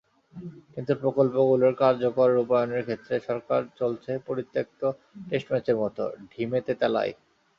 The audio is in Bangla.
কিন্তু প্রকল্পগুলোর কার্যকর রূপায়ণের ক্ষেত্রে সরকার চলছে পরিত্যক্ত টেস্ট ম্যাচের মতো, ঢিমেতেতালায়।